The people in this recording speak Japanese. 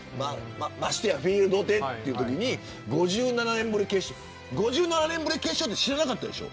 ましてやフィールドでというときに５７年ぶりの決勝知らなかったんでしょ。